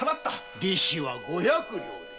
利子は五百両。